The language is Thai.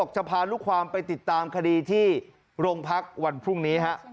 จะพาลูกความไปติดตามคดีที่โรงพักวันพรุ่งนี้